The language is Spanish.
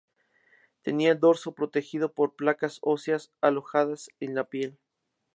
Tenía el dorso protegido por placas óseas alojadas en la piel.